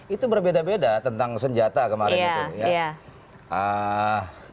itu berbeda beda tentang senjata kemarin itu ya